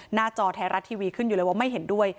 จอไทยรัฐทีวีขึ้นอยู่เลยว่าไม่เห็นด้วย